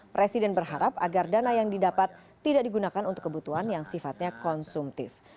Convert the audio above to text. presiden berharap agar dana yang didapat tidak digunakan untuk kebutuhan yang sifatnya konsumtif